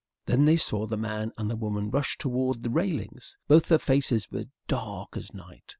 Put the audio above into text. Then they saw the man and the woman rush toward the railings. Both their faces were dark as night.